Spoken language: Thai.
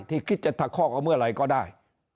คิดจะทะคอกเอาเมื่อไหร่ก็ได้